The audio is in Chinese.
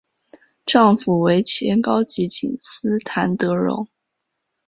丈夫为前高级警司谭德荣。